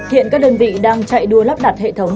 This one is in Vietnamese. hiện các đơn vị đang chạy đua lắp đặt hệ thống